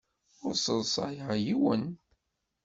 Ur sseḍsayeɣ yiwen.